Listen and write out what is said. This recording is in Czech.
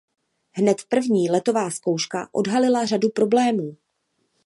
Hned první letová zkouška odhalila řadu problémů.